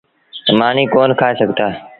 مآݩيٚ ڪون کآئي سگھتآ۔